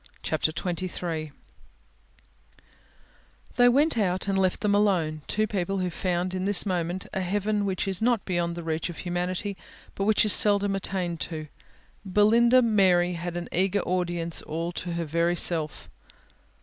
CHAPTER XXIII They went out and left them alone, two people who found in this moment a heaven which is not beyond the reach of humanity, but which is seldom attained to. Belinda Mary had an eager audience all to her very self.